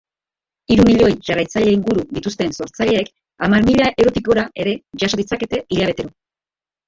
Hiru milioi jarraitzaile inguru dituzten sortzaileek hamar mila eurotik gora ere jaso ditzakete hilabetero.